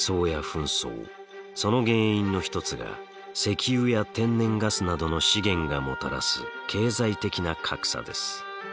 その原因の一つが石油や天然ガスなどの資源がもたらす経済的な格差です。